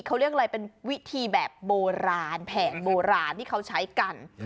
เขาเรียกอะไรเป็นวิธีแบบโบราณแผนโบราณที่เขาใช้กัน